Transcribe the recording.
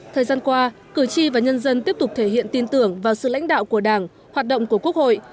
thời gian qua cử tri và nhân dân tiếp tục thể hiện tin tưởng vào sự lãnh đạo của đảng hoạt động của quốc hội